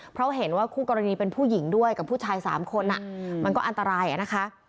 เพราะเห็นว่าคู่กรณีเป็นผู้หญิงด้วยกับผู้ชาย๓คนมันก็อันตรายนะคะ